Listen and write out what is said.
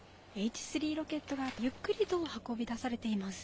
Ｈ３ロケットがゆっくりと運び出されています。